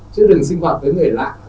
chứ đừng sinh hoạt với người lạ